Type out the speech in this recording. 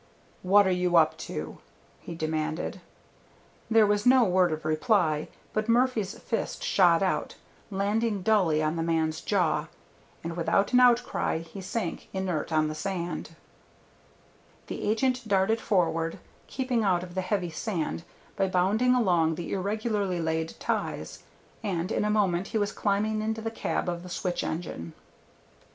"What are you up to?" he demanded. There was no word of reply, but Murphy's fist shot out, landing dully on the man's jaw, and without an outcry he sank inert on the sand. The agent darted forward, keeping out of the heavy sand by bounding along the irregularly laid ties, and in a moment he was climbing into the cab of the switch engine.